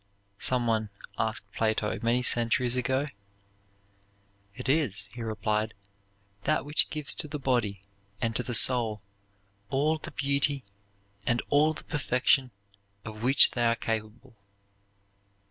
some one asked Plato many centuries ago. "It is," he replied, "that which gives to the body and to the soul all the beauty and all the perfection of which they are capable."